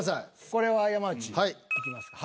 これは山内いきますか。